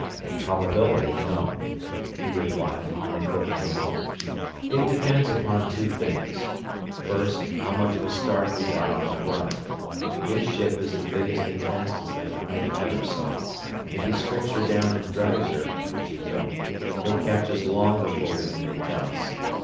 A probability, no," he replied, unequivocally. "It depends upon two things. First, how much of a start we got on Nerado. His ship is the biggest and fastest thing I ever saw, and if he strips her down and drives her which he will he'll catch us long before we can make Tellus.